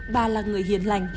bà là người hiền lành